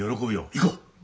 行こう！